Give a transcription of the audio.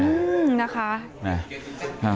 อืมนะคะ